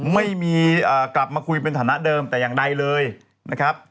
ไม่มีกลับมาคุยเป็นฐานะเดิมแต่อย่างใดเลยนะครับ